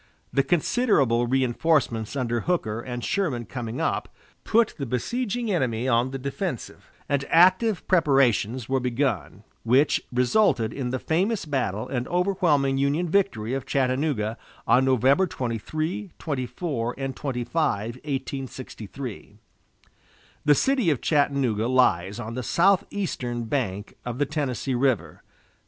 The considerable reinforcements under Hooker and Sherman coming up, put the besieging enemy on the defensive, and active preparations were begun, which resulted in the famous battle and overwhelming Union victory of Chattanooga on November 23, 24, and 25, 1863. The city of Chattanooga lies on the southeastern bank of the Tennessee River.